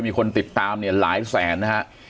มีคนติดตามเนี่ยหลายแสนนะฮะ